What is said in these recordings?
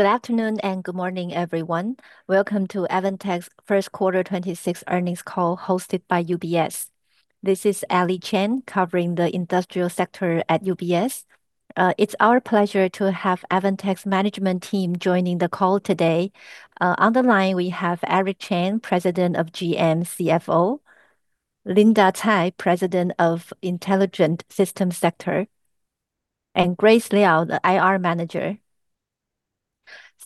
Good afternoon and good morning, everyone. Welcome to Advantech's first quarter 2026 earnings call hosted by UBS. This is Eileen Chan, covering the industrial sector at UBS. It's our pleasure to have Advantech's management team joining the call today. On the line we have Eric Chen, President of GM, CFO; Linda Tsai, President of Intelligent System Sector; and Grace Liao, the IR Manager.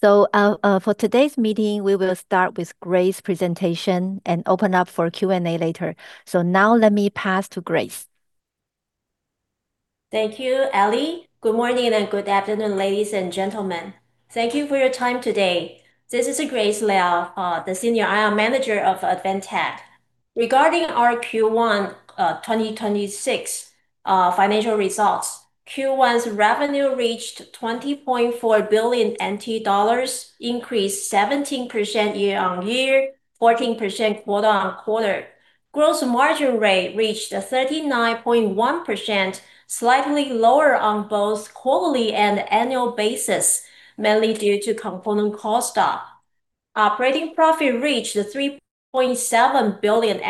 For today's meeting, we will start with Grace's presentation and open up for Q&A later. Now let me pass to Grace. Thank you, Eileen. Good morning and good afternoon, ladies and gentlemen. Thank you for your time today. This is Grace Liao, the Senior IR Manager of Advantech. Regarding our Q1 2026 financial results, Q1's revenue reached TWD 20.4 billion, increased 17% year-on-year, 14% quarter-on-quarter. Gross margin rate reached 39.1%, slightly lower on both quarterly and annual basis, mainly due to component cost up. Operating profit reached 3.7 billion,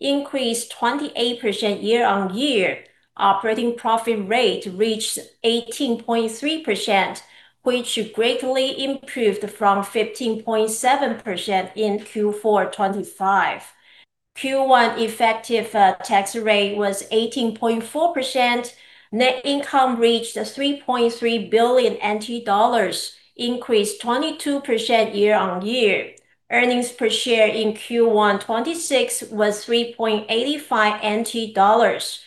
increased 28% year-on-year. Operating profit rate reached 18.3%, which greatly improved from 15.7% in Q4 2025. Q1 effective tax rate was 18.4%. Net income reached 3.3 billion NT dollars, increased 22% year-on-year. Earnings per share in Q1 2026 was 3.85 NT dollars.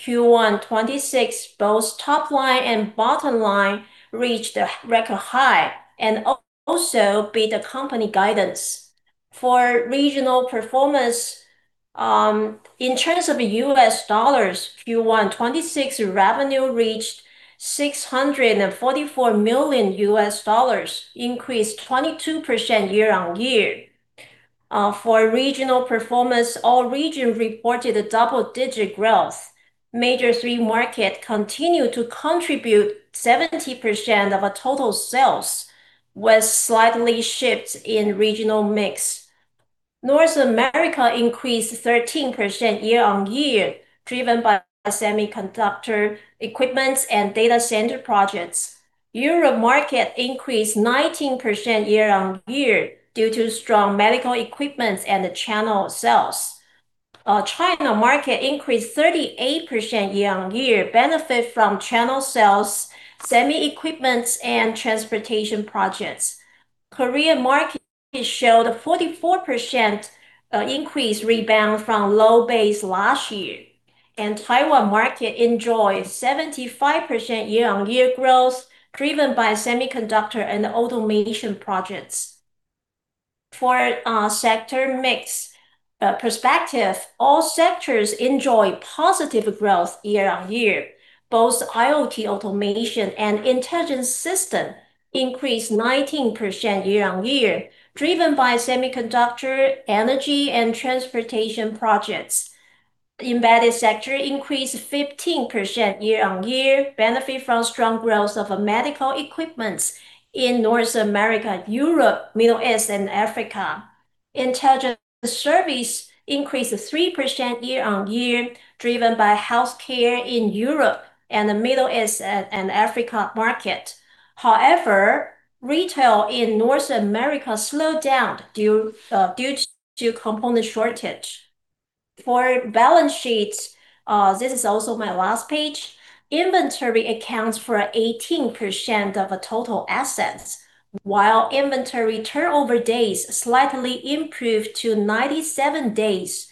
Q1 2026, both top line and bottom line reached a record high and also beat the company guidance. For regional performance, in terms of U.S. dollars, Q1 2026 revenue reached $644 million, increased 22% year-on-year. For regional performance, all regions reported a double-digit growth. Major three market continued to contribute 70% of our total sales, with slightly shifts in regional mix. North America increased 13% year-on-year, driven by semiconductor equipments and data center projects. Europe market increased 19% year-on-year due to strong medical equipments and the channel sales. China market increased 38% year-on-year, benefit from channel sales, semi equipments and transportation projects. Korea market showed a 44% increase rebound from low base last year. Taiwan market enjoyed 75% year-on-year growth, driven by semiconductor and automation projects. For sector mix perspective, all sectors enjoy positive growth year-on-year. Both IoT automation and Intelligent System increased 19% year-on-year, driven by semiconductor, energy and transportation projects. Embedded sector increased 15% year-on-year, benefit from strong growth of medical equipments in North America, Europe, Middle East and Africa. Intelligent Service increased 3% year-on-year, driven by healthcare in Europe and the Middle East and Africa market. However, retail in North America slowed down due to component shortage. For balance sheets, this is also my last page. Inventory accounts for 18% of our total assets, while inventory turnover days slightly improved to 97 days,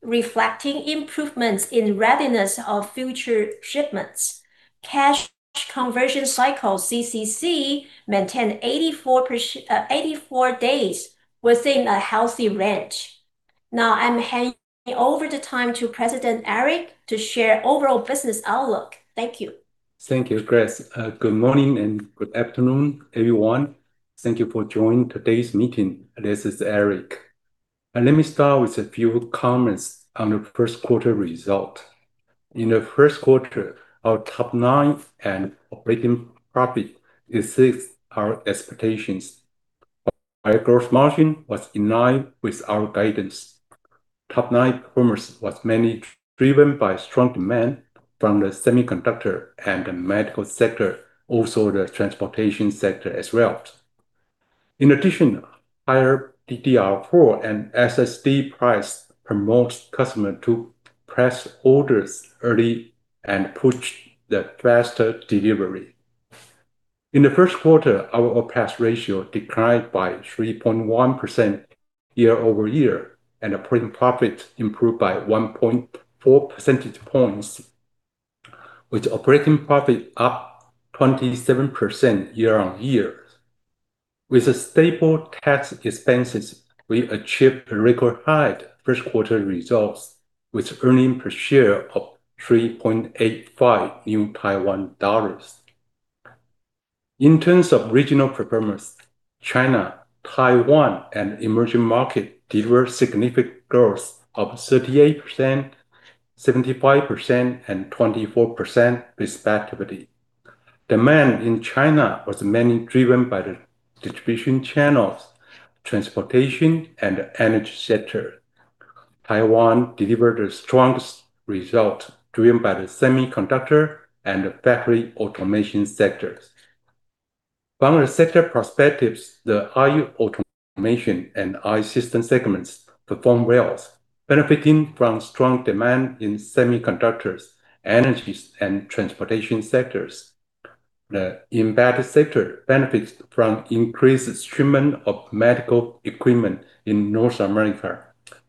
reflecting improvements in readiness of future shipments. Cash conversion cycle, CCC, maintained 84 days, within a healthy range. Now I'm handing over the time to President Eric to share overall business outlook. Thank you. Thank you, Grace. Good morning and good afternoon, everyone. Thank you for joining today's meeting. This is Eric. Let me start with a few comments on the first quarter result. In the first quarter, our top line and operating profit exceeds our expectations. Our gross margin was in line with our guidance. Top line performance was mainly driven by strong demand from the semiconductor and the medical sector, also the transportation sector as well. In addition, higher DDR4 and SSD price promotes customer to place orders early and push the faster delivery. In the first quarter, our OpEx ratio declined by 3.1% year-over-year, and operating profit improved by 1.4 percentage points, with operating profit up 27% year-on-year. With a stable tax expenses, we achieved a record high first quarter results, with earnings per share of 3.85. In terms of regional performance, China, Taiwan, and emerging market deliver significant growth of 38%, 75%, and 24% respectively. Demand in China was mainly driven by the distribution channels, transportation and energy sector. Taiwan delivered the strongest result driven by the semiconductor and factory automation sectors. From a sector perspective, the IoT automation and Intelligent System segments perform well, benefiting from strong demand in semiconductors, energies, and transportation sectors. The Embedded sector benefits from increased shipment of medical equipment in North America,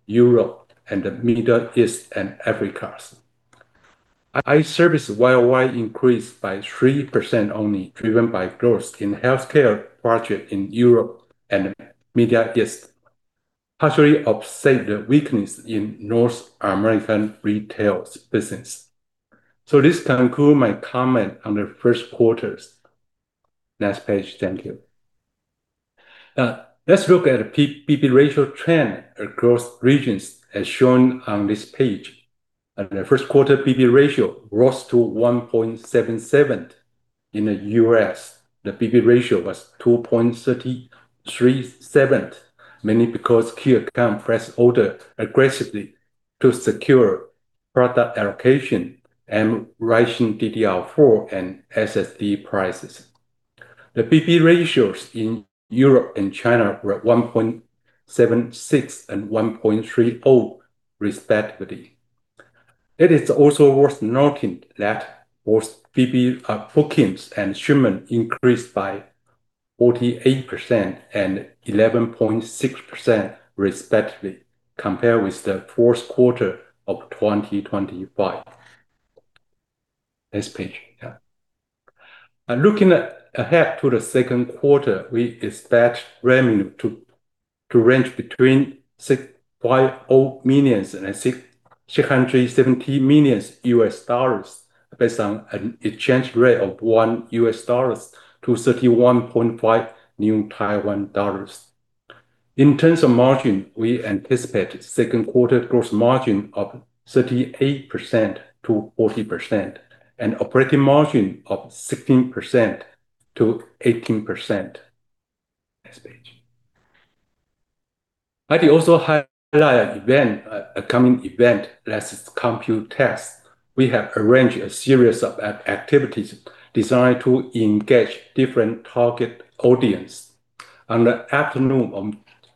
Europe, and the Middle East and Africa. Intelligent Service YoY increased by 3% only, driven by growth in healthcare project in Europe and Middle East, partially offset the weakness in North American retail business. This concludes my comment on the first quarter. Next page. Thank you. Let's look at the BB ratio trend across regions as shown on this page. The first quarter BB ratio rose to 1.77. In the U.S., the BB ratio was 2.337, mainly because key account placed order aggressively to secure product allocation and rising DDR4 and SSD prices. The BB ratios in Europe and China were 1.76 and 1.30 respectively. It is also worth noting that both BB bookings and shipment increased by 48% and 11.6% respectively, compared with the fourth quarter of 2025. Next page. Yeah. Looking ahead to the second quarter, we expect revenue to range between $6.0 million and $370 million based on an exchange rate of $1 to 31.5 TWD. In terms of margin, we anticipate second quarter gross margin of 38%-40% and operating margin of 16%-18%. Next page. I could also highlight an event, a coming event, that's Computex. We have arranged a series of activities designed to engage different target audience. On the afternoon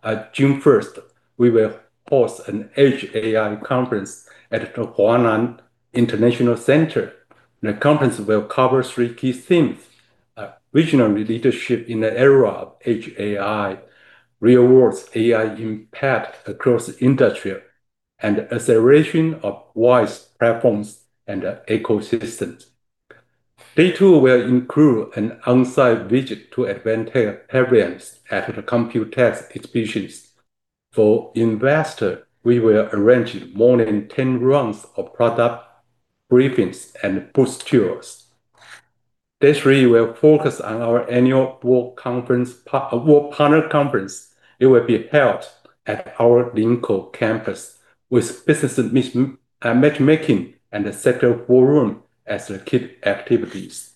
on June 1st, we will host an Edge AI conference at the Huanan International Center. The conference will cover three key themes, regional leadership in the era of Edge AI, real world AI impact across industry, and acceleration of WISE platforms and ecosystems. Day two will include an on-site visit to Advantech areas at the Computex exhibitions. For investor, we will arrange more than 10 rounds of product briefings and booth tours. Day three will focus on our annual World Partner Conference. It will be held at our Linkou campus with business matchmaking and a sector forums as the key activities.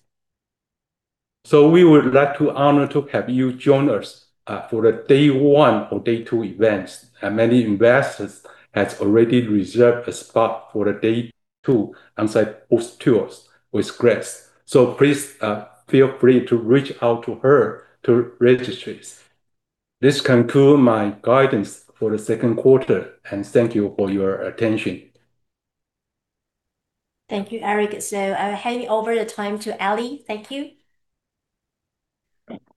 We would like to honor to have you join us for the day one or day two events. Many investors has already reserved a spot for the day two on-site booth tours with Grace. Please feel free to reach out to her to registers. This conclude my guidance for the second quarter, and thank you for your attention. Thank you, Eric. I'll hand over the time to Eileen. Thank you.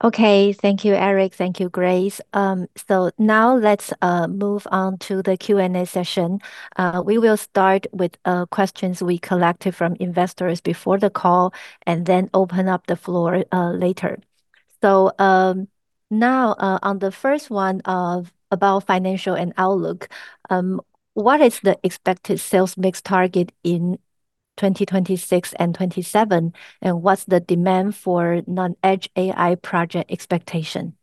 Okay. Thank you, Eric. Thank you, Grace. Now let's move on to the Q&A session. We will start with questions we collected from investors before the call and then open up the floor later. Now, on the first one, about financial and outlook, what is the expected sales mix target in 2026 and 2027, and what's the demand for non-Edge AI project expectation?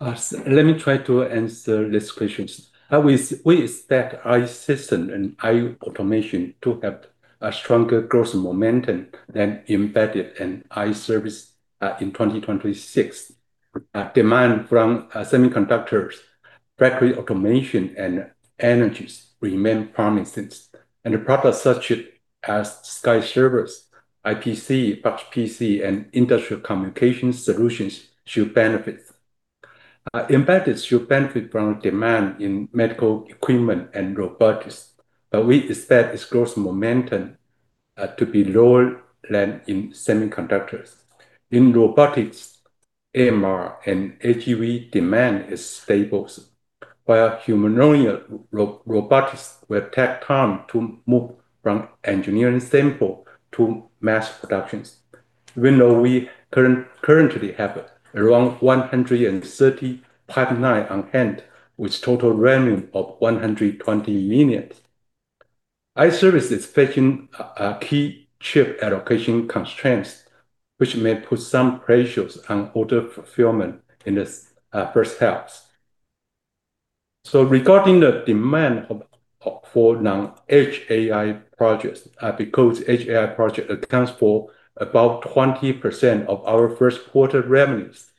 Let me try to answer these questions. We expect our system and IoT automation to have a stronger growth momentum than embedded and Intelligent Service in 2026. Demand from semiconductors, factory automation, and energies remain promising. The products such as SKY servers, IPC, Box PC, and industrial communication solutions should benefit. Embedded should benefit from demand in medical equipment and robotics, but we expect its growth momentum to be lower than in semiconductors. In robotics, AMR and AGV demand is stables, while humanoid robotics will take time to move from engineering sample to mass productions. Even though we currently have around 130 pipeline on hand with total revenue of 120 million. Intelligent Service is facing a key chip allocation constraints, which may put some pressures on order fulfillment in this first halves. Regarding the demand of for non-Edge AI projects, because Edge AI project accounts for about 20% of our first quarter revenues.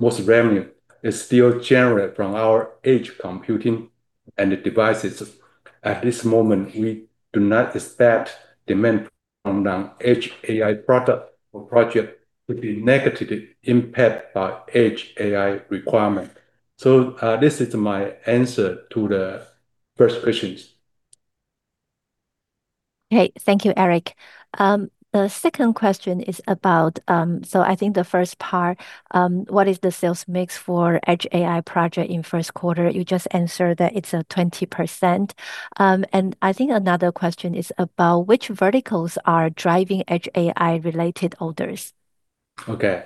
Most revenue is still generated from our edge computing and devices. At this moment, we do not expect demand from non-Edge AI product or project to be negatively impacted by Edge AI requirement. This is my answer to the first questions. Thank you, Eric. The second question is about, I think the first part, what is the sales mix for Edge AI project in first quarter? You just answered that it's 20%. I think another question is about which verticals are driving Edge AI related orders? Okay.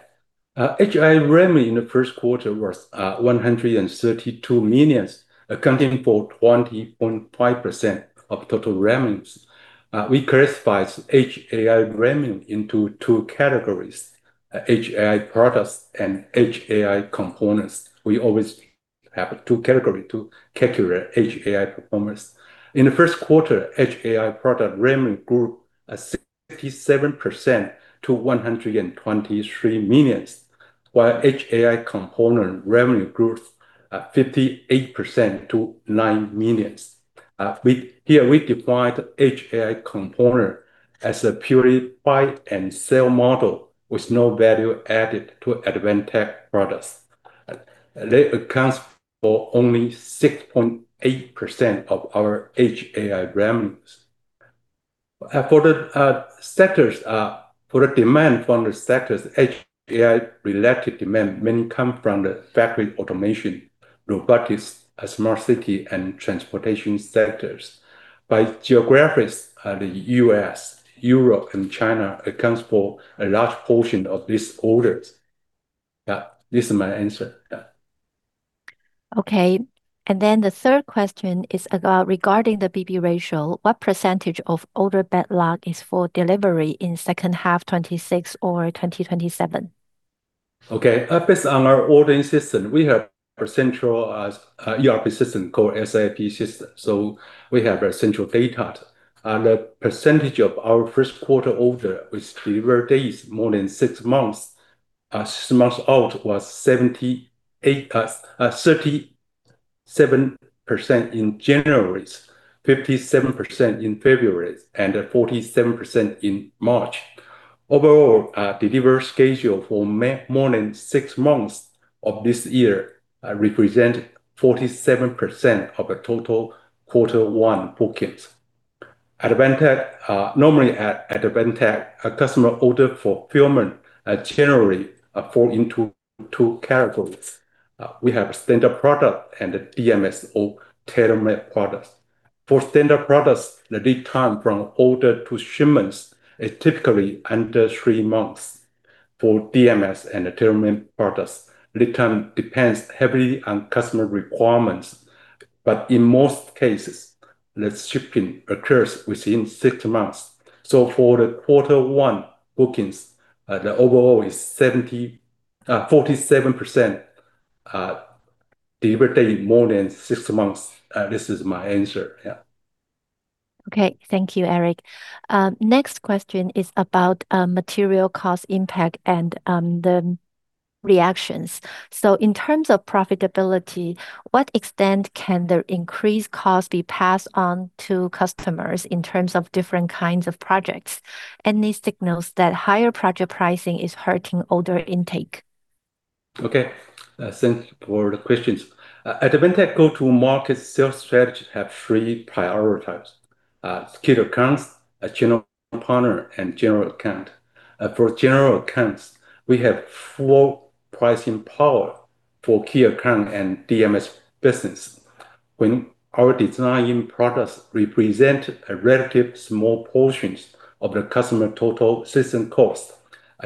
Edge AI revenue in the first quarter was 132 million, accounting for 20.5% of total revenues. We classify Edge AI revenue into two categories, Edge AI products and Edge AI components. We always have two categories to calculate Edge AI performance. In the first quarter, Edge AI product revenue grew 67% to 123 million, while Edge AI component revenue grew 58% to 9 million. We, here we define the Edge AI component as a purely buy and sell model with no value added to Advantech products. They account for only 6.8% of our Edge AI revenues. For the sectors, for the demand from the sectors, Edge AI related demand mainly come from the factory automation, robotics, smart city, and transportation sectors. By geographies, the U.S., Europe and China accounts for a large portion of these orders. Yeah. This is my answer. Yeah. Okay. The third question is about regarding the BB ratio, what percentage of order backlog is for delivery in second half 2026 or 2027? Okay. Based on our ordering system, we have a central ERP system called SAP system. We have a central data. The percentage of our first quarter order with delivery days more than six months out was 37% in January, 57% in February, and 47% in March. Overall, delivery schedule for May more than six months of this year represent 47% of the total quarter one bookings. Advantech, normally at Advantech, a customer order fulfillment generally fall into two categories. We have standard product and DMS or tailor-made products. For standard products, the lead time from order to shipments is typically under three months. For DMS and the tailor-made products, lead time depends heavily on customer requirements. In most cases, the shipping occurs within six months. For the quarter one bookings, the overall is 70%, 47% delivery day more than six months. This is my answer. Thank you, Eric. Next question is about material cost impact and the reactions. In terms of profitability, what extent can the increased cost be passed on to customers in terms of different kinds of projects? Any signals that higher project pricing is hurting order intake? Okay. Thanks for the questions. Advantech go-to-market sales strategy have three priorities. Key accounts, a channel partner, and general account. For general accounts, we have full pricing power for key account and DMS business. When our design products represent a relative small portions of the customer total system cost.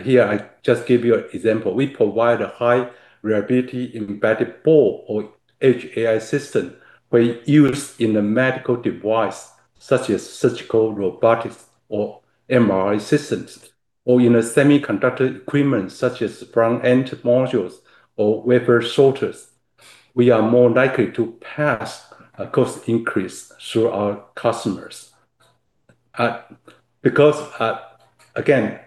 Here, I just give you an example. We provide a high reliability embedded board or Edge AI system were used in the medical device such as surgical robotics or MRI systems, or in a semiconductor equipment such as front-end modules or wafer sorters. We are more likely to pass a cost increase through our customers. Because, again,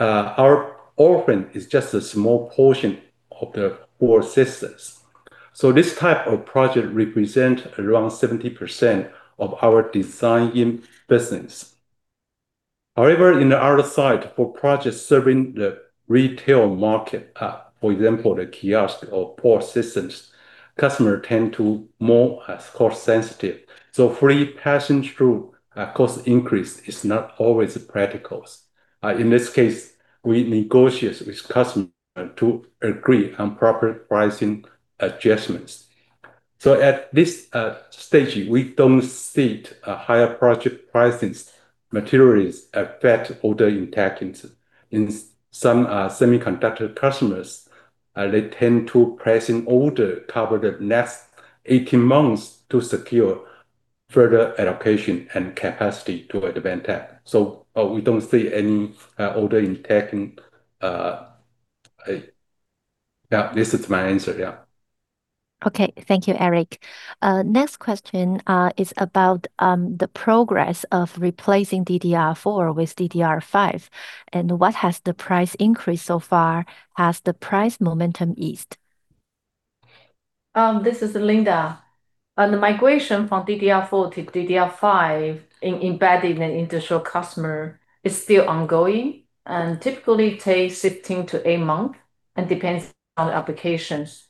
our offering is just a small portion of the whole systems. This type of project represent around 70% of our design-in business. However, in the other side, for projects serving the retail market, for example, the kiosk or POS systems, customer tend to more cost sensitive. Free passing through a cost increase is not always practical. In this case, we negotiate with customer to agree on proper pricing adjustments. At this stage, we don't see the higher project pricings. Materials affect order intake in some semiconductor customers. They tend to place an order cover the next 18 months to secure further allocation and capacity to Advantech. We don't see any order intake. Yeah, this is my answer, yeah. Okay. Thank you, Eric. Next question is about the progress of replacing DDR4 with DDR5, and what has the price increase so far? Has the price momentum eased? This is Linda. On the migration from DDR4-DDR5 in embedding an industrial customer is still ongoing, and typically takes 15 to eight month, and depends on applications.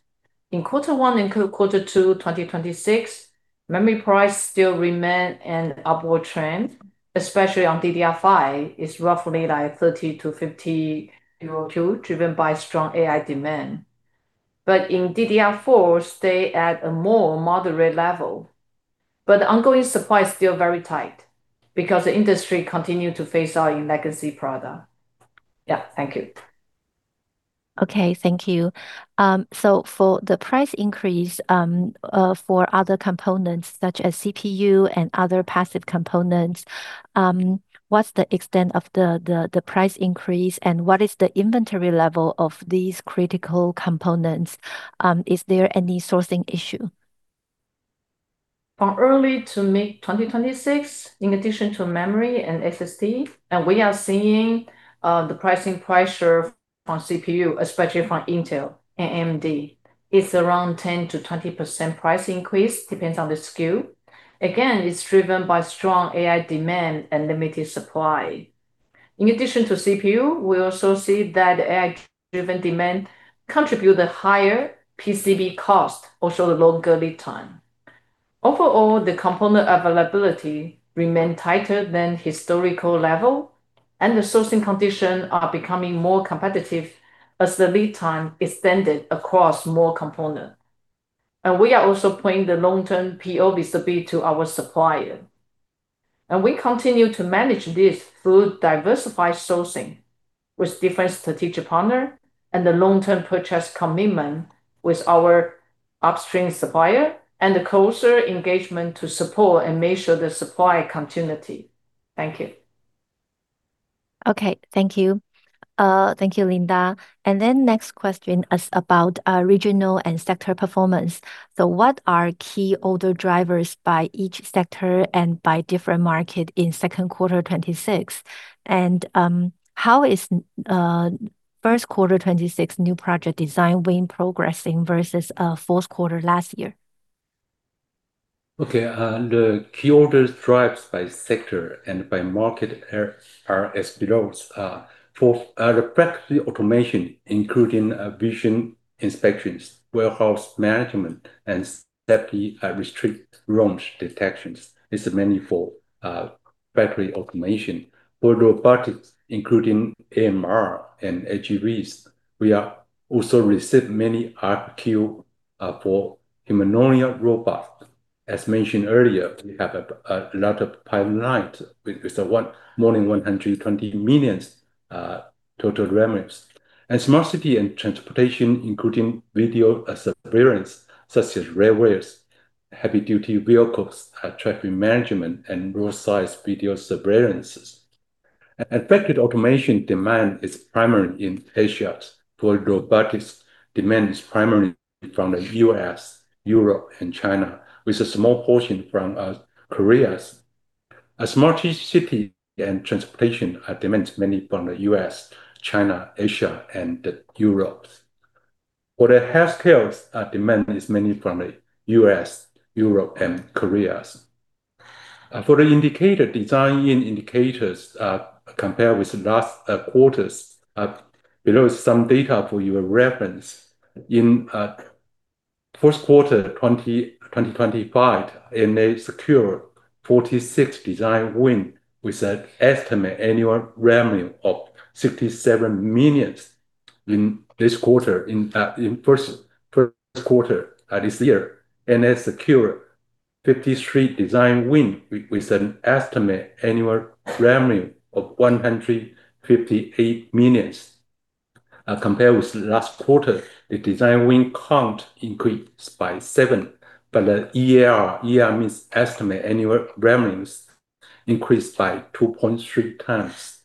In Q1 and Q2 2026, memory price still remain an upward trend, especially on DDR5. It's roughly like 30-50 euro, driven by strong AI demand. In DDR4, stay at a more moderate level. The ongoing supply is still very tight because the industry continue to face our legacy product. Yeah, thank you. Okay, thank you. For the price increase, for other components such as CPU and other passive components, what's the extent of the price increase, and what is the inventory level of these critical components? Is there any sourcing issue? From early to mid 2026, in addition to memory and SSD, we are seeing the pricing pressure on CPU, especially from Intel and AMD. It's around 10%-20% price increase, depends on the SKU. Again, it's driven by strong AI demand and limited supply. In addition to CPU, we also see that AI driven demand contribute a higher PCB cost, also a longer lead time. Overall, the component availability remain tighter than historical level, and the sourcing condition are becoming more competitive as the lead time extended across more component. We are also pointing the long term PO vis-a-vis to our supplier. We continue to manage this through diversified sourcing with different strategic partner and the long term purchase commitment with our upstream supplier, and the closer engagement to support and make sure the supply continuity. Thank you. Okay. Thank you. Thank you, Linda. Next question is about regional and sector performance. What are key order drivers by each sector and by different market in second quarter 2026? How is first quarter 2026 new project design win progressing versus fourth quarter 2025? Okay. The key orders drives by sector and by market are as below. For the factory automation, including vision inspections, warehouse management, and safety, restrict launch detections is mainly for factory automation. For robotics, including AMR and AGVs, we are also receive many RQ for humanoidal robot. As mentioned earlier, we have a lot of pipeline with the more than 120 million total revenues. Smart city and transportation, including video surveillance, such as railways, heavy duty vehicles, traffic management, and road size video surveillances. Factory automation demand is primary in Asia. For robotics, demand is primary from the U.S., Europe, and China, with a small portion from Korea. Smart city and transportation demands mainly from the U.S., China, Asia, and Europe. For the healthcare, demand is mainly from the U.S., Europe, and Korea. For the indicator design in indicators, compare with last quarters, below some data for your reference. In first quarter 2025, Advantech secure 46 design win with an estimate annual revenue of 67 million. In this quarter, in first quarter this year, Advantech secure 53 design win with an estimate annual revenue of 158 million. Compare with last quarter, the design win count increased by seven, but the EAR means estimate annual revenues, increased by 2.3x.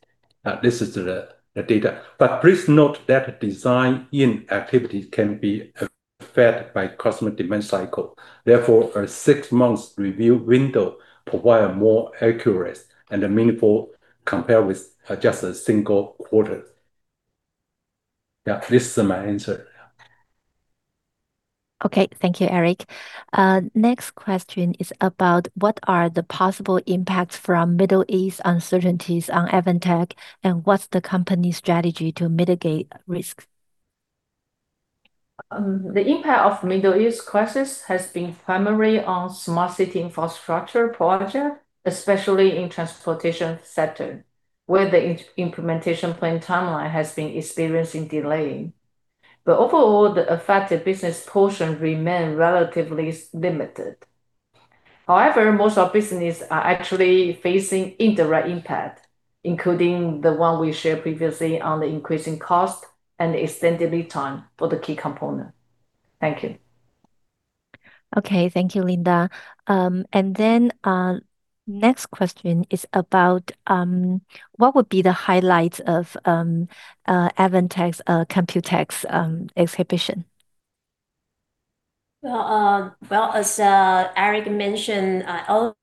This is the data. Please note that design in activities can be affected by customer demand cycle. Therefore, a six months review window provide a more accurate and meaningful compare with just a single quarter. Yeah. This is my answer. Okay. Thank you, Eric. Next question is about what are the possible impacts from Middle East uncertainties on Advantech, and what's the company strategy to mitigate risks? The impact of Middle East crisis has been primarily on smart city infrastructure project, especially in transportation sector, where the implementation plan timeline has been experiencing delay. Overall, the affected business portion remain relatively limited. However, most of business are actually facing indirect impact, including the one we shared previously on the increasing cost and the extended lead time for the key component. Thank you. Okay. Thank you, Linda. Next question is about what would be the highlights of Advantech Computex exhibition? Well, as Eric mentioned earlier,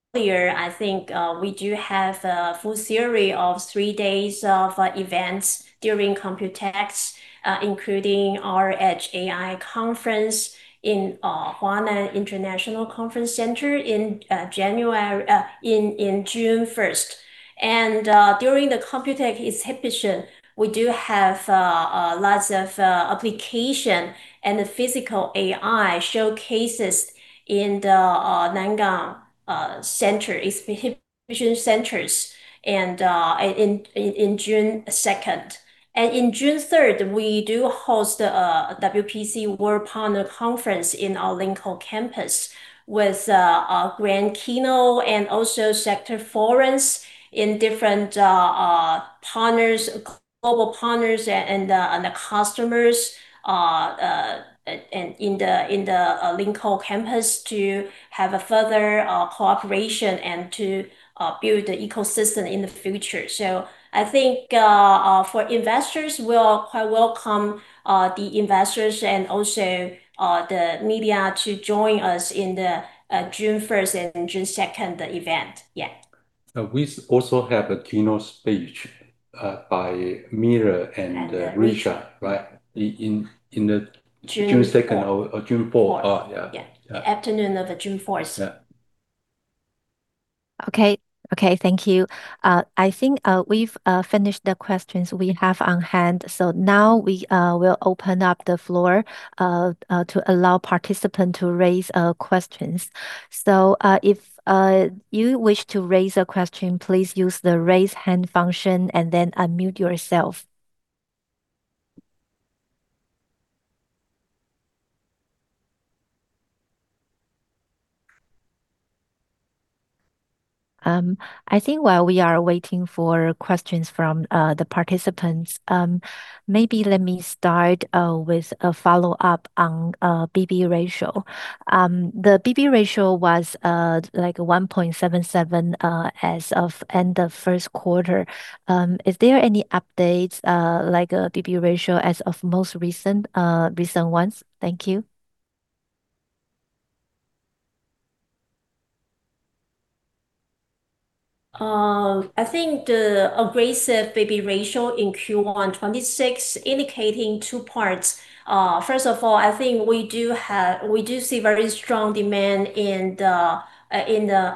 I think, we do have a full series of three days of events during Computex, including our Edge AI conference in Huanan International Conference Center in June 1st. During the Computex exhibition, we do have lots of application and the physical AI showcases in the Nangang center, exhibition centers, in June 2nd. In June 3rd, we do host WPC World Partner Conference in our Linkou Campus with our grand keynote and also sector forums in different partners, global partners and the customers in the Linkou Campus to have a further cooperation and to build the ecosystem in the future. I think, for investors, we'll quite welcome, the investors and also, the media to join us in the June 1st and June 2nd event. We also have a keynote speech by Miller and Richard, right? June 4th June 2nd or June 4th. Oh, yeah. Yeah. Yeah. Afternoon of the June 4th. Yeah. Okay. Okay, thank you. I think we've finished the questions we have on hand. Now we will open up the floor to allow participant to raise questions. If you wish to raise a question, please use the raise hand function and then unmute yourself. I think while we are waiting for questions from the participants, maybe let me start with a follow-up on BB ratio. The BB ratio was like 1.77 as of end of first quarter. Is there any updates like BB ratio as of most recent recent ones? Thank you. I think the aggressive BB ratio in Q1 2026 indicating two parts. First of all, I think we do see very strong demand in the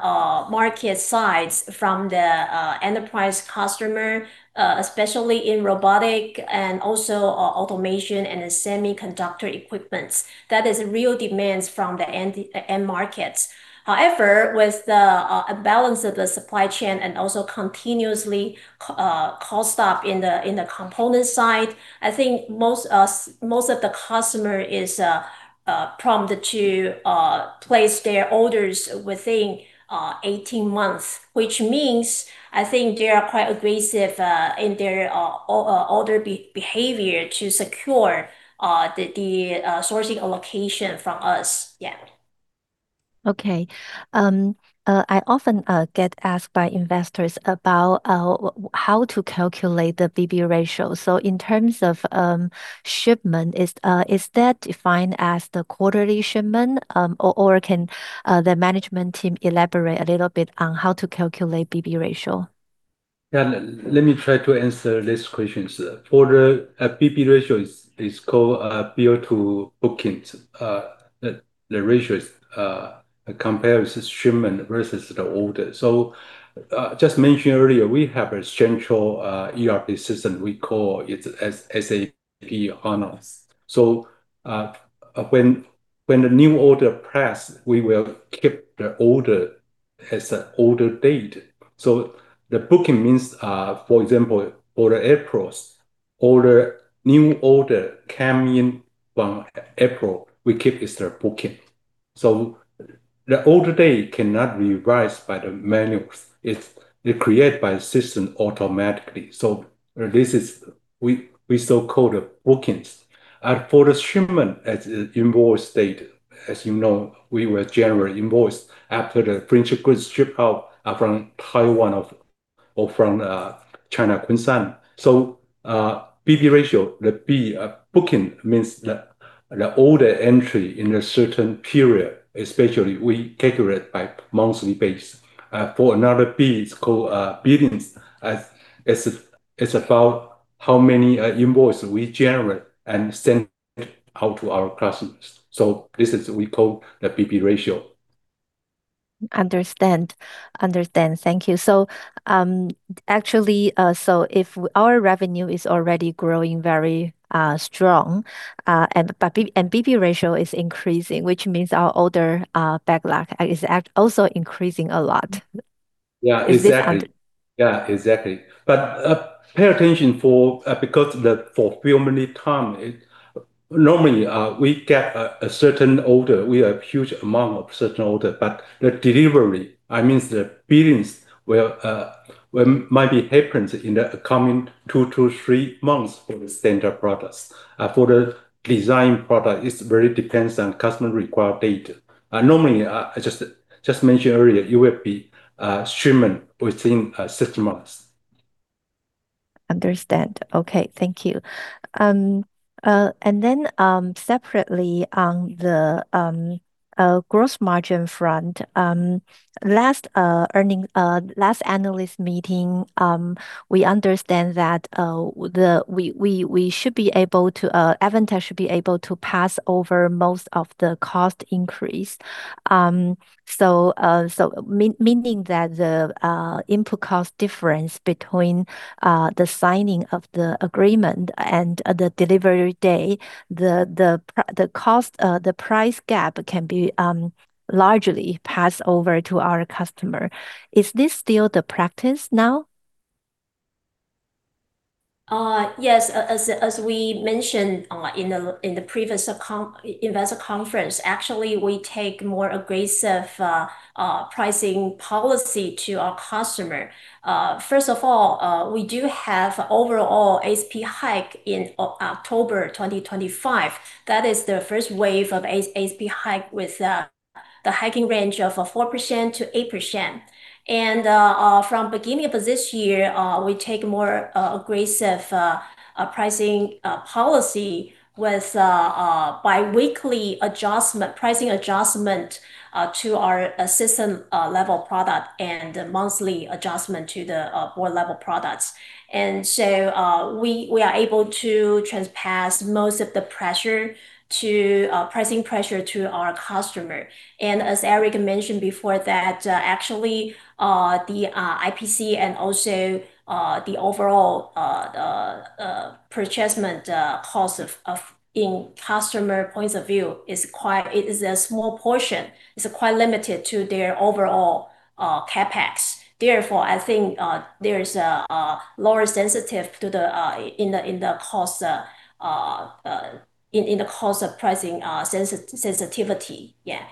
market sides from the enterprise customer, especially in robotic and also automation and the semiconductor equipments. That is real demands from the end markets. However, with the balance of the supply chain and also continuously cost up in the component side, I think most of the customer is prompted to place their orders within 18 months, which means I think they are quite aggressive in their order behavior to secure the sourcing allocation from us. Yeah. Okay. I often get asked by investors about how to calculate the BB ratio. In terms of shipment, is that defined as the quarterly shipment? Or can the management team elaborate a little bit on how to calculate BB ratio? Yeah. Let me try to answer these questions. For the BB ratio is called bill to bookings. The ratio compares the shipment versus the order. Just mentioned earlier, we have a central ERP system. We call it SAP HANA. When the new order pass, we will keep the order as an order date. The booking means, for example, for the April, all the new order came in from April, we keep as the booking. The order date cannot be revised by the manuals. They create by the system automatically. This is we so-call the bookings. For the shipment as invoice date, as you know, we will generate invoice after the finished goods ship out from Taiwan or from China, Kunshan. BB ratio, the B, booking means the order entry in a certain period, especially we calculate by monthly base. For another B, it's called billings, as it's about how many invoice we generate and send out to our customers. This is we call the BB ratio. Understand. Understand. Thank you. Actually, so if our revenue is already growing very strong, and, but BB ratio is increasing, which means our order backlog is also increasing a lot. Yeah, exactly. Yeah, exactly. Pay attention for, because the fulfillment time is normally, we get a certain order. We have huge amount of certain order, but the delivery, that means the business might be happens in the coming two to three months for the standard products. For the design product, it's very depends on customer required date. Normally, I just mentioned earlier, it will be shipment within six months. Understand. Okay, thank you. Separately on the gross margin front, last earning last analyst meeting, we understand that we should be able to, Advantech should be able to pass over most of the cost increase. Meaning that the input cost difference between the signing of the agreement and the delivery day, the cost, the price gap can be largely passed over to our customer. Is this still the practice now? Yes. As we mentioned, in the previous investor conference, actually we take more aggressive pricing policy to our customer. First of all, we do have overall ASP hike in October 2025. That is the first wave of ASP hike with the hiking range of 4%-8%. From beginning of this year, we take more aggressive pricing policy with bi-weekly adjustment, pricing adjustment, to our system level product and monthly adjustment to the board level products. We are able to transpass most of the pressure to pricing pressure to our customer. As Eric mentioned before that, actually, the IPC and also the overall purchasement cost of in customer points of view it is a small portion. It's quite limited to their overall CapEx. Therefore, I think there is a lower sensitive to the in the cost in the cost of pricing sensitivity. Yeah.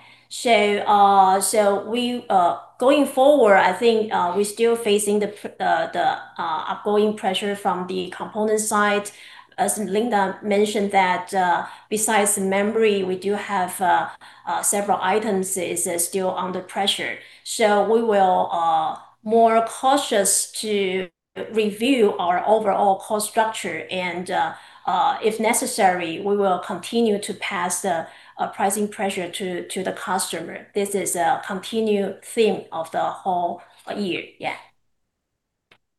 going forward, I think we're still facing the upward pressure from the component side. As Linda mentioned that, besides memory, we do have several items is still under pressure. we will more cautious to review our overall cost structure and if necessary, we will continue to pass the pricing pressure to the customer. This is a continued theme of the whole year. Yeah.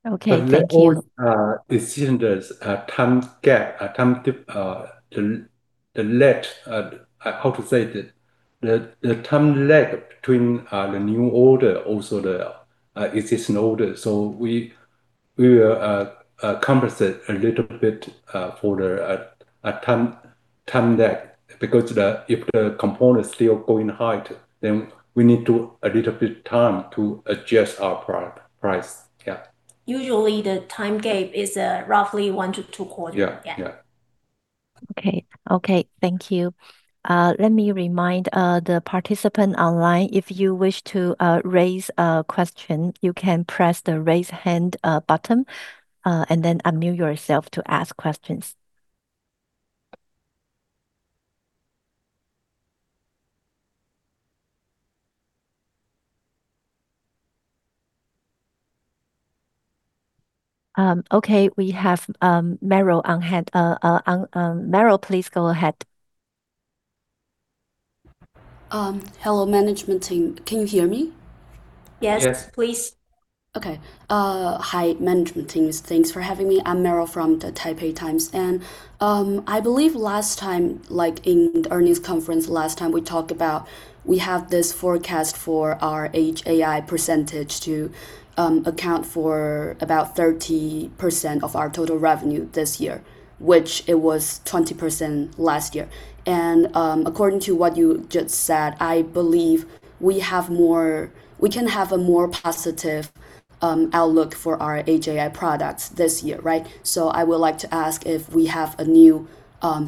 Okay. Thank you. We all decision there's a time gap, a time lag, how to say that the time lag between the new order, also the existing order. We will compensate a little bit for the time lag. If the component is still going higher, then we need to a little bit time to adjust our price. Yeah. Usually the time gap is, roughly one to two quarter. Yeah, yeah. Yeah. Okay. Okay. Thank you. Let me remind the participant online, if you wish to raise a question, you can press the raise hand button and then unmute yourself to ask questions. Okay. We have Meryl on hand. On Meryl, please go ahead. Hello, management team. Can you hear me? Yes. Yes. Please. Okay. Hi, management teams. Thanks for having me. I'm Meryl from the Taipei Times. I believe last time, like in our news conference last time, we talked about we have this forecast for our Edge AI percentage to account for about 30% of our total revenue this year, which it was 20% last year. According to what you just said, I believe we can have a more positive outlook for our Edge AI products this year, right? I would like to ask if we have a new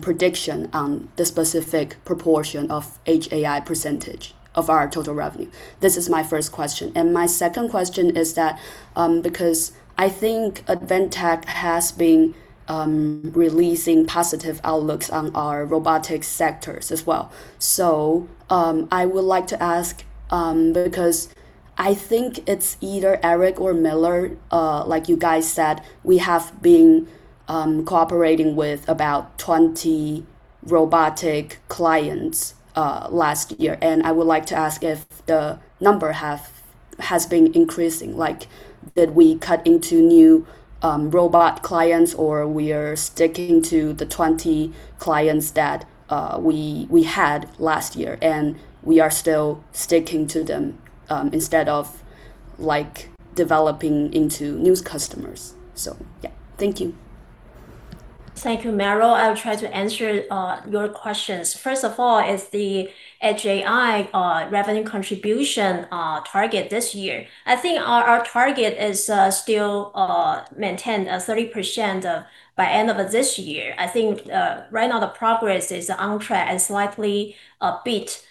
prediction on the specific proportion of Edge AI percentage of our total revenue. This is my first question. My second question is that, because I think Advantech has been releasing positive outlooks on our robotics sectors as well. I would like to ask, because I think it's either Eric or Miller, like you guys said, we have been cooperating with about 20 robotic clients last year. I would like to ask if the number has been increasing. Like did we cut into new robot clients or we are sticking to the 20 clients that we had last year, and we are still sticking to them, instead of like developing into new customers. Yeah. Thank you. Thank you, Meryl. I'll try to answer your questions. First of all is the Edge AI revenue contribution target this year. I think our target is still maintain a 30% of, by end of this year. I think right now the progress is on track and slightly beat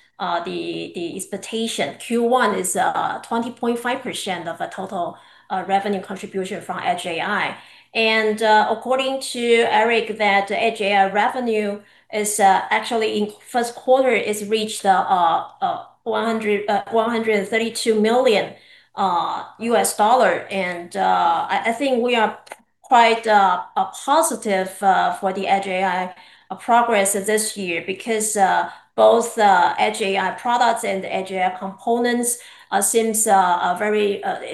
the expectation. Q1 is 20.5% of a total revenue contribution from Edge AI. According to Eric, that Edge AI revenue is actually in first quarter is reached $132 million. I think we are quite positive for the Edge AI progress this year because both the Edge AI products and Edge AI components seems very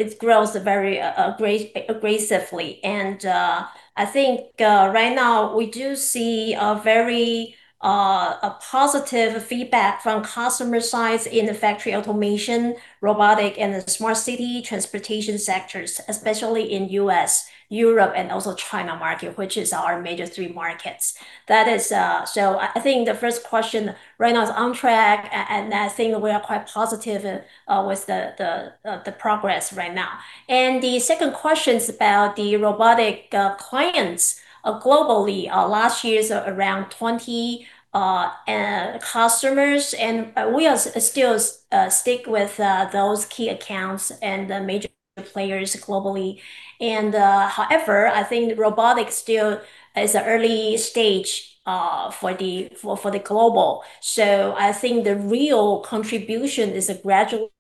it grows very aggressively. I think right now we do see a very positive feedback from customer sides in the factory automation, robotic and the smart city transportation sectors, especially in U.S., Europe and also China market, which is our major three markets. I think the first question right now is on track, and I think we are quite positive with the progress right now. The second question's about the robotic clients globally. Last year's around 20 customers, and we are still stick with those key accounts and the major players globally. However, I think robotics still is a early stage for the global. I think the real contribution is gradually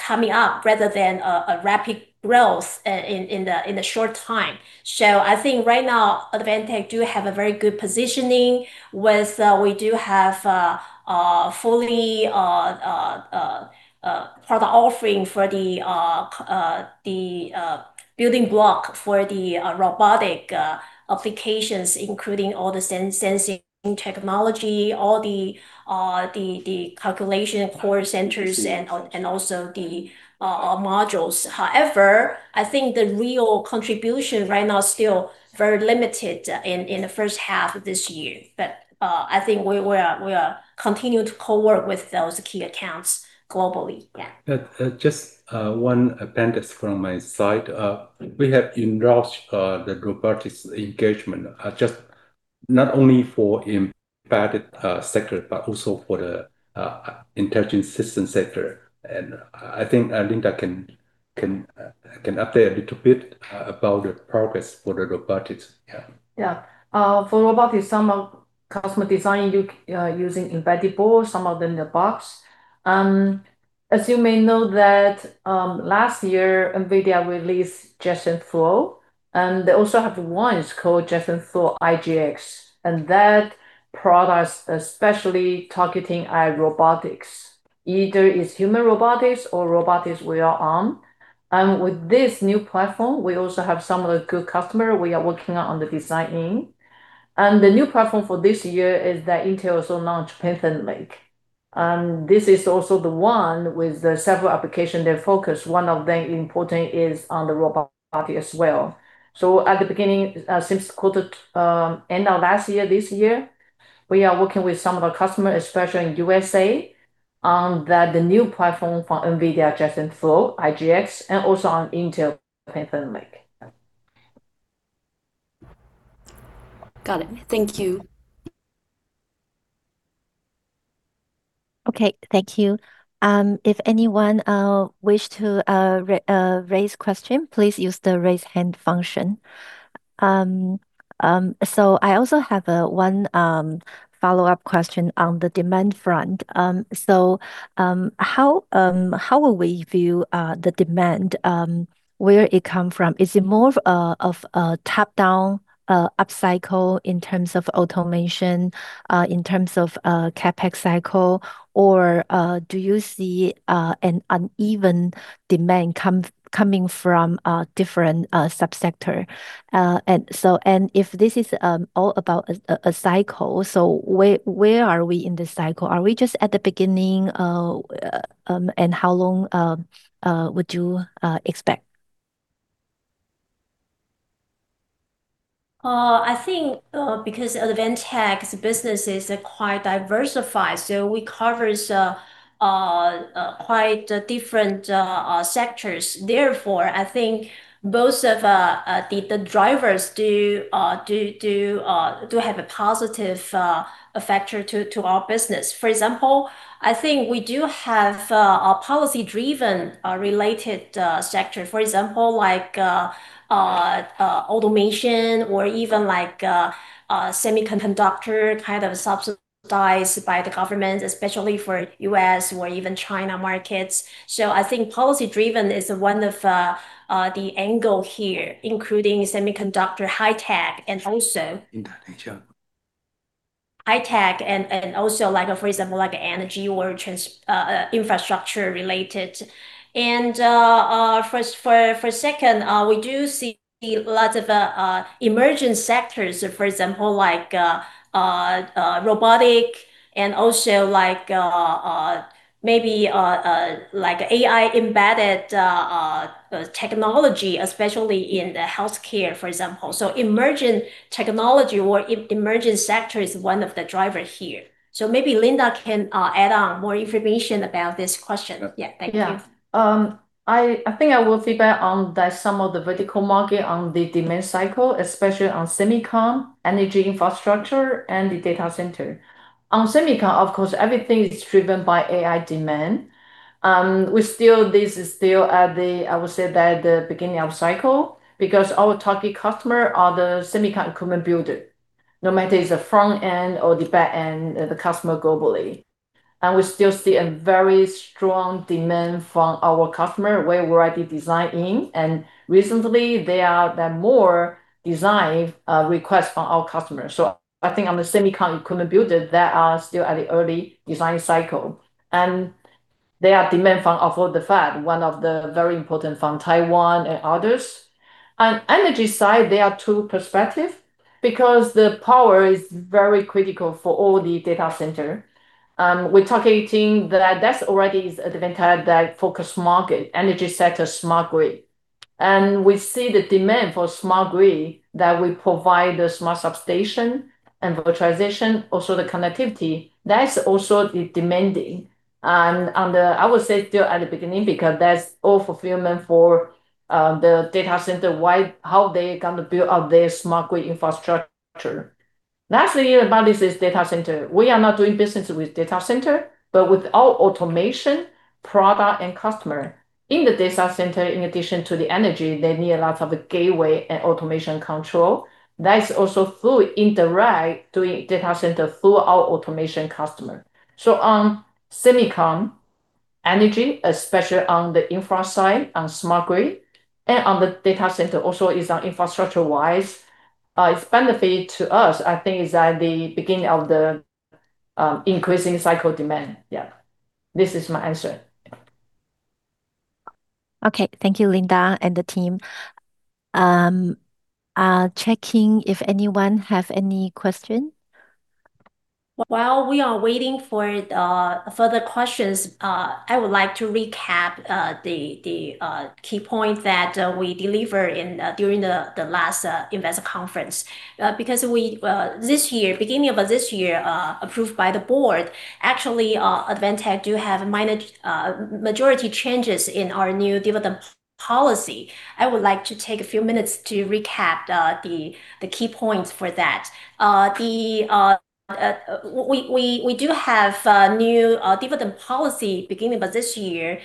coming up rather than a rapid growth in the short time. I think right now Advantech do have a very good positioning with, we do have a fully product offering for the building block for the robotic applications, including all the sensing technology, all the calculation core centers and also the modules. However, I think the real contribution right now is still very limited in the first half of this year. I think we are continued to co-work with those key accounts globally. Just one appendix from my side. We have endorsed the robotics engagement just not only for Embedded sector, but also for the Intelligent System sector. I think that can update a little bit about the progress for the robotics. Yeah. Yeah. For robotic, some of custom design you using embedded board, some of them in the box. As you may know that, last year NVIDIA released Jetson Thor, and they also have one is called Jetson Thor IGX. That product's especially targeting AI robotics. Either it's human robotics or robotics wheel arm. With this new platform, we also have some of the good customer we are working on the designing. The new platform for this year is that Intel also launched Panther Lake. This is also the one with the several application they focus. One of the important is on the robotic as well. At the beginning, since quarter end of last year, this year, we are working with some of the customer, especially in U.S.A., on the new platform from NVIDIA Jetson Thor IGX, and also on Intel Panther Lake. Got it. Thank you. Okay. Thank you. If anyone wish to raise question, please use the raise hand function. I also have one follow-up question on the demand front. How will we view the demand? Where it come from? Is it more of a top-down upcycle in terms of automation, in terms of CapEx cycle? Or do you see an uneven demand coming from a different subsector? If this is all about a cycle, where are we in the cycle? Are we just at the beginning and how long would you expect? I think because Advantech's business is quite diversified, so we covers quite different sectors. Therefore, I think both of the drivers do have a positive effect to our business. For example, I think we do have a policy driven related sector. For example, like automation or even like semiconductor kind of subsidized by the government, especially for U.S. or even China markets. I think policy driven is one of the angle here, including semiconductor high tech. In that nature. high tech and also like, for example, like energy or infrastructure related. First for second, we do see lots of emerging sectors, for example, like robotic and also like maybe like AI embedded technology, especially in the healthcare, for example. Emerging technology or emerging sector is one of the driver here. Maybe Linda can add on more information about this question. Thank you. Yeah. I think I will feedback on that some of the vertical market on the demand cycle, especially on semicon, energy infrastructure, and the data center. On semicon, of course, everything is driven by AI demand. This is still at the, I would say that the beginning of cycle because our target customer are the semicon equipment builder, no matter is the front end or the back end, the customer globally. We still see a very strong demand from our customer where we are already designing, and recently there are then more design requests from our customers. I think on the semicon equipment builder that are still at the early design cycle, and they are demand from all the Fab, one of the very important from Taiwan and others. On energy side, there are two perspective because the power is very critical for all the data center. We're targeting that that's already is Advantech that focus market, energy sector, smart grid. We see the demand for smart grid that we provide the smart substation and virtualization, also the connectivity. That's also the demanding. On the I would say still at the beginning because that's all fulfillment for the data center, how they gonna build out their smart grid infrastructure. Lastly about this is data center. We are not doing business with data center, but with our automation product and customer. In the data center, in addition to the energy, they need a lot of gateway and automation control. That's also fluid in the right doing data center through our automation customer. On semicon energy, especially on the infra side, on smart grid, and on the data center also is on infrastructure wise, it's benefit to us, I think it's at the beginning of the increasing cycle demand. Yeah. This is my answer. Okay. Thank you, Linda, and the team. checking if anyone have any question. While we are waiting for further questions, I would like to recap the key points that we deliver in during the last investor conference. Because we, this year, beginning of this year, approved by the board, actually, Advantech do have minor majority changes in our new dividend policy. I would like to take a few minutes to recap the key points for that. We do have a new dividend policy beginning of this year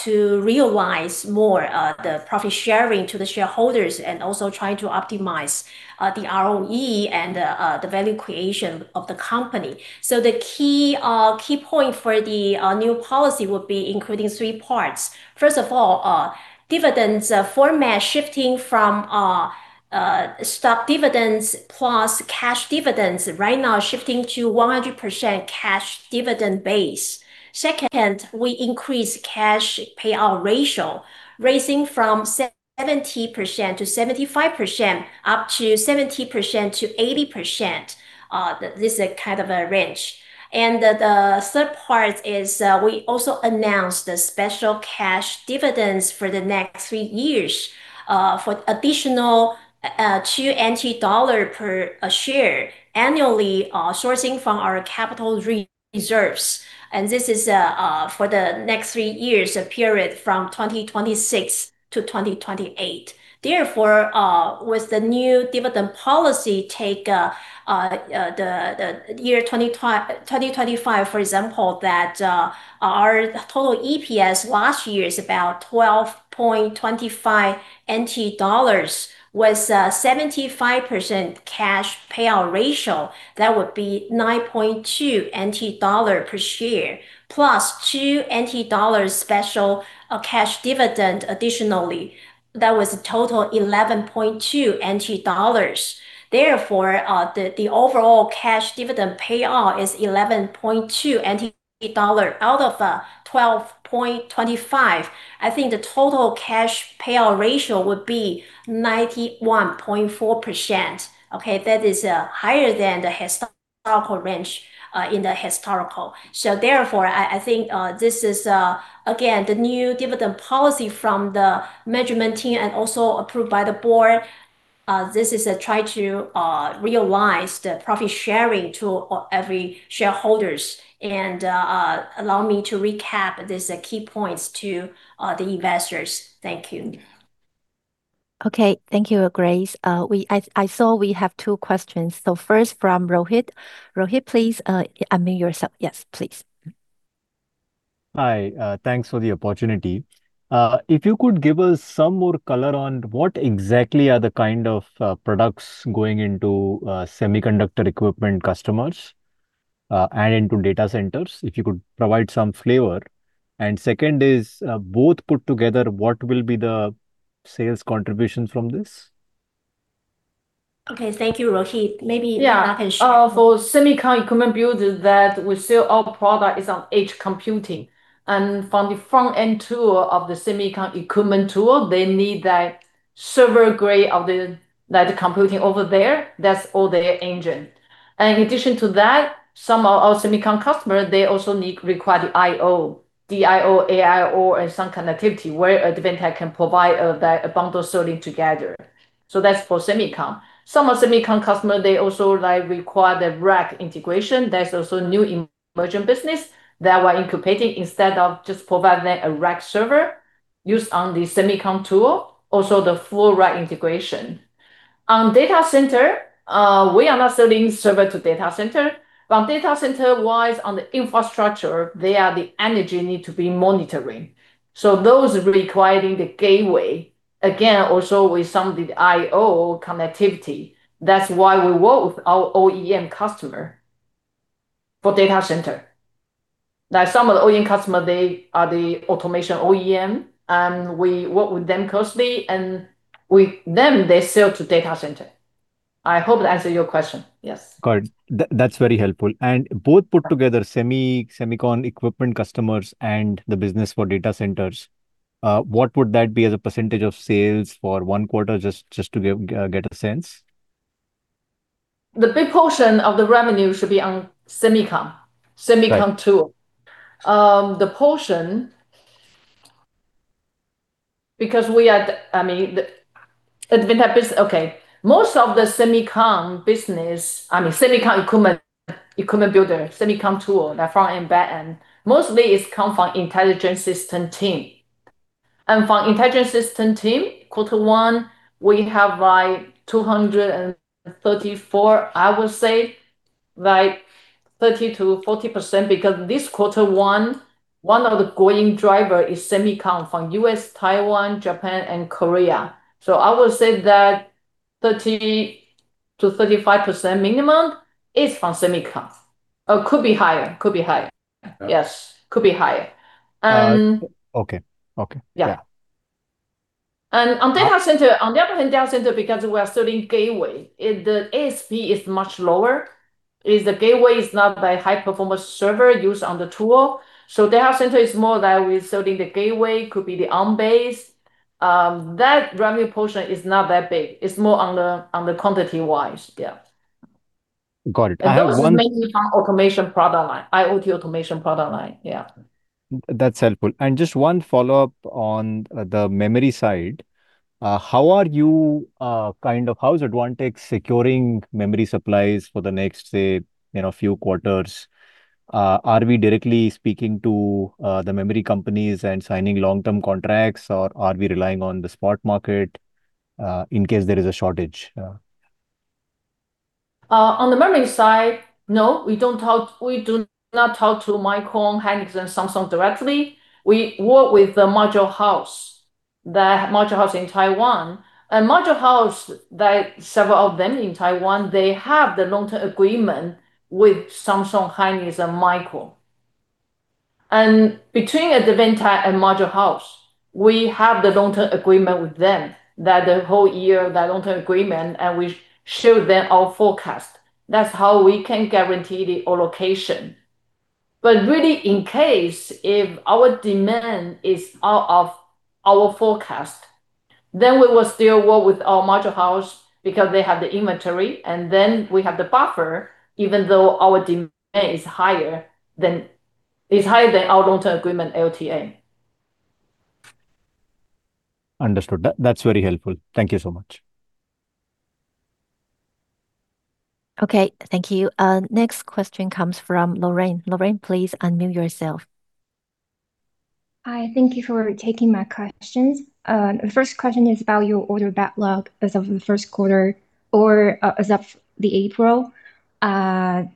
to realize more the profit sharing to the shareholders and also try to optimize the ROE and the value creation of the company. The key point for the new policy would be including three parts. First of all, dividends, format shifting from stock dividends plus cash dividends. Right now, shifting to 100% cash dividend base. Second, we increase cash payout ratio, raising from 70%-75%, up to 70%-80%. This a kind of a range. The third part is, we also announced the special cash dividends for the next three years, for additional 2 NT dollar per a share annually, sourcing from our capital reserves. This is for the next three years, a period from 2026-2028. Therefore, with the new dividend policy take, the year 2025, for example, our total EPS last year is about 12.25 NT dollars. With 75% cash payout ratio, that would be 9.2 NT dollar per share, plus 2 NT dollar special cash dividend additionally. That was a total 11.2 NT dollars. The overall cash dividend payout is 11.2 NT dollar out of 12.25. I think the total cash payout ratio would be 91.4%. That is higher than the historical range in the historical. I think this is again, the new dividend policy from the management team and also approved by the board. This is a try to realize the profit sharing to all every shareholders. Allow me to recap this key points to the investors. Thank you. Okay. Thank you, Grace. I saw we have two questions. First from Rohit, please unmute yourself. Yes, please. Hi. Thanks for the opportunity. If you could give us some more color on what exactly are the kind of products going into semiconductor equipment customers? Into data centers, if you could provide some flavor. Second is, both put together, what will be the sales contribution from this? Okay, thank you, Rohit. Maybe Linda can share. Yeah. For semicon equipment builders that we sell our product is on edge computing, from the front end tool of the semicon equipment tool, they need that server grade of that computing over there. That's all their engine. In addition to that, some of our semicon customer, they also require the IO, AIO, and some connectivity where Advantech can provide that bundle selling together. That's for semicon. Some of semicon customer, they also, like, require the rack integration. There's also new emerging business that we're incubating instead of just providing a rack server used on the semicon tool, also the full rack integration. Data center, we are not selling server to data center, but data center-wise, on the infrastructure, they are the energy need to be monitoring. Those requiring the gateway, again, also with some of the IO connectivity. That's why we work with our OEM customer for data center. Some of the OEM customer, they are the automation OEM, and we work with them closely, and we them, they sell to data center. I hope that answered your question. Yes. Got it. That's very helpful. Both put together semicon equipment customers and the business for data centers, what would that be as a percentage of sales for one quarter, just to get a sense? The big portion of the revenue should be on semicon tool. Right. The portion, because we are the I mean, the Advantech business Okay, most of the semicon business, I mean, semicon equipment builder, semicon tool, the front end, back end, mostly it come from Intelligent System team. From Intelligent System team, quarter one, we have, like, 234, I would say, like, 30%-40%, because this quarter one of the growing driver is semicon from U.S., Taiwan, Japan, and Korea. I would say that 30%-35% minimum is from semicon, or could be higher. Could be higher. Okay. Yes. Could be higher. Okay. Okay. Yeah. Yeah. On the other hand, data center, because we are selling gateway, the ASP is much lower. The gateway is not a high performance server used on the tool. Data center is more like we're selling the gateway, could be the on-base. That revenue portion is not that big. It's more on the quantity-wise. Yeah. Got it. Those are mainly from automation product line, IoT automation product line, yeah. That's helpful. Just one follow-up on the memory side. How is Advantech securing memory supplies for the next, say, you know, few quarters? Are we directly speaking to the memory companies and signing long-term contracts, or are we relying on the spot market, in case there is a shortage? On the memory side, no, we do not talk to Micron, Hynix, and Samsung directly. We work with the module house in Taiwan. Module house, the several of them in Taiwan, they have the long-term agreement with Samsung, Hynix, and Micron. Between Advantech and module house, we have the long-term agreement with them, that long-term agreement, and we show them our forecast. That's how we can guarantee the allocation. Really, in case, if our demand is out of our forecast, then we will still work with our module house because they have the inventory, and then we have the buffer, even though our demand is higher than our long-term agreement LTA. Understood. That's very helpful. Thank you so much. Okay, thank you. Next question comes from Lorraine. Lorraine, please unmute yourself. Hi, thank you for taking my questions. The first question is about your order backlog as of the first quarter or as of April. Can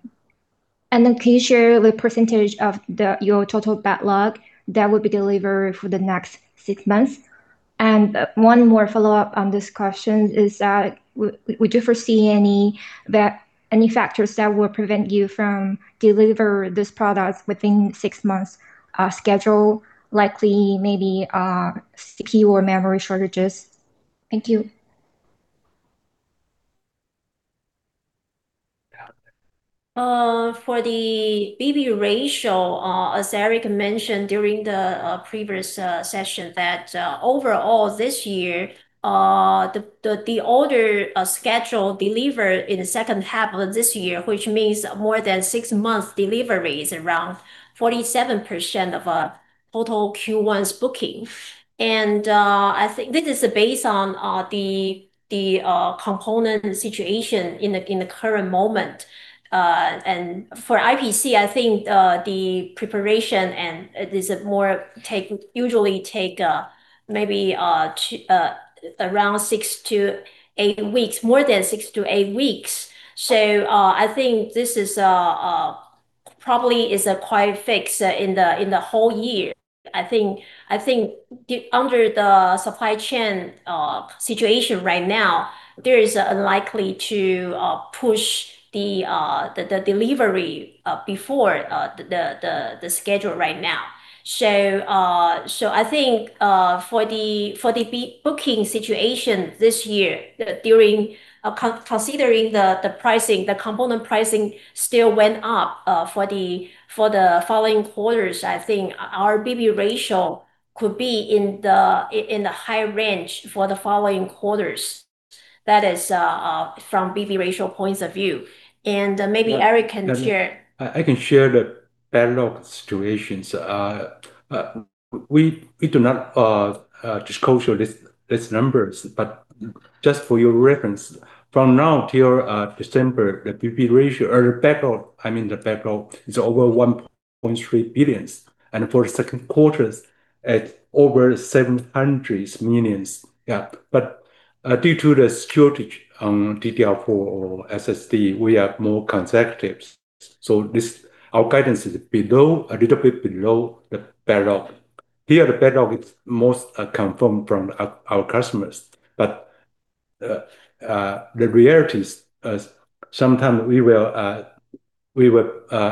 you share the percentage of your total backlog that will be delivered for the next six months? One more follow-up on this question is that would you foresee any factors that will prevent you from deliver this product within six months schedule, likely maybe CPU or memory shortages? Thank you. For the BB ratio, as Eric mentioned during the previous session, that overall this year, the order schedule delivered in the second half of this year, which means more than six months deliveries, around 47% of total Q1's booking. I think this is based on the component situation in the current moment. For IPC, I think the preparation and usually take maybe around six to eight weeks, more than six to eight weeks. I think this is probably is quite fixed in the whole year. I think the under the supply chain situation right now, there is unlikely to push the delivery before the schedule right now. I think for the booking situation this year, considering the pricing, the component pricing still went up for the following quarters. I think our BB ratio could be in the high range for the following quarters. That is from BB ratio points of view. Maybe Eric can share- I can share the backlog situations. We do not disclose your list numbers, just for your reference, from now till December, the BB ratio, or the backlog, I mean the backlog, is over 1.3 billion. For the second quarters, at over 700 million. Due to the shortage on DDR4 or SSD, we have more conservatives. Our guidance is below, a little bit below the backlog. Here the backlog it's most come from our customers. The reality is sometime we will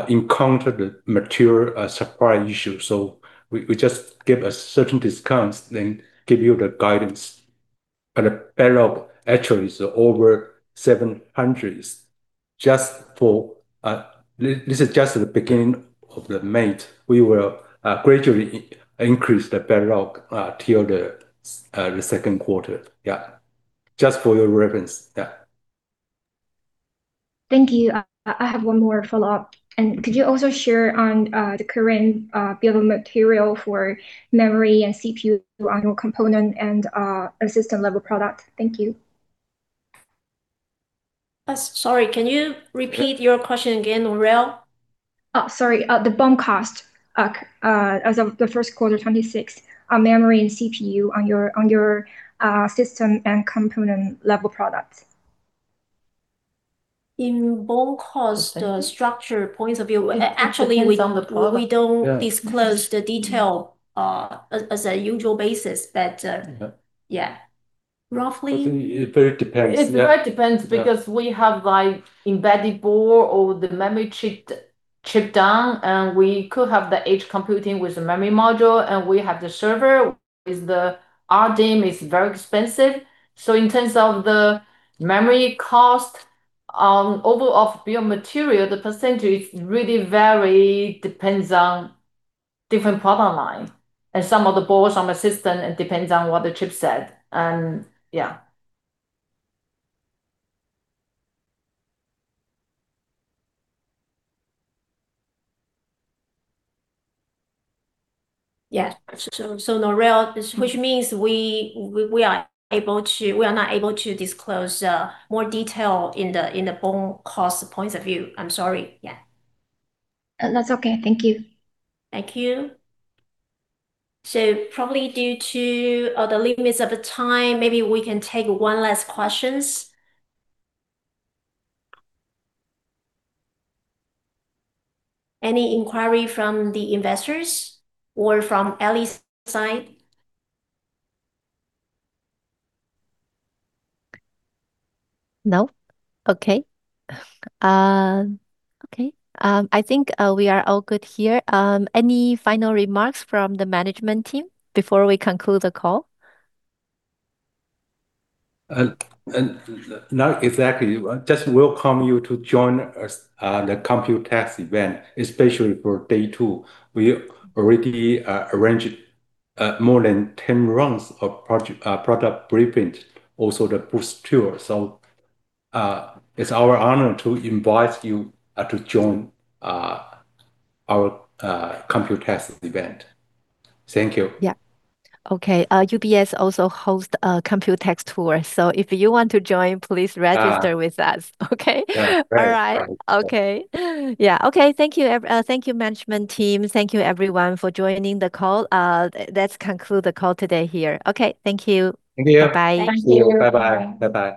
encounter the material supply issue. We just give a certain discounts, give you the guidance. The backlog actually is over TWD 700 million. We will gradually increase the backlog till the second quarter. Yeah. Just for your reference. Yeah. Thank you. I have one more follow-up. Could you also share on the current bill of material for memory and CPU on your component and system level product? Thank you. Sorry, can you repeat your question again, Lorraine? Oh, sorry. The BOM cost as of the first quarter 2026 on memory and CPU on your, on your, system and component level products. In BOM cost, structure points of view, actually we don't disclose the detail as a usual basis. Yeah. Roughly. It very depends. Yeah. It very depends because we have like embedded board or the memory chip down, and we could have the edge computing with the memory module, and we have the server. With the RDIMM is very expensive. In terms of the memory cost, over of bill of material, the percentage really very depends on different product line. Some of the boards on the system, it depends on what the chip set. Yeah. Yeah. Lorraine, which means we are not able to disclose more detail in the BOM cost points of view. I'm sorry. Yeah. That's okay. Thank you. Thank you. Probably due to all the limits of the time, maybe we can take one last questions. Any inquiry from the investors or from Eileen's side? No? Okay. Okay. I think, we are all good here. Any final remarks from the management team before we conclude the call? Not exactly. Just welcome you to join us on the Computex event, especially for day two. We already arranged more than 10 rounds of product briefing, also the booth tour. It's our honor to invite you to join our Computex event. Thank you. Yeah. Okay. UBS also host a Computex tour, so if you want to join, please register with us. Okay? Yeah. All right. Okay. Yeah. Okay, thank you, management team. Thank you everyone for joining the call. Let's conclude the call today here. Okay, thank you. Thank you. Bye Thank you. Bye-bye. Bye-bye.